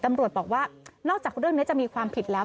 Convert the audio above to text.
ตำรวจบอกว่านอกจากเรื่องนี้จะมีความผิดแล้ว